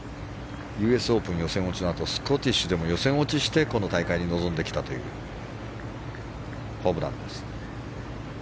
オープン予選落ちのあとスコティッシュでも予選落ちしてこの大会に臨んできたというホブランです。